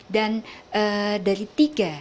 dan dari tiga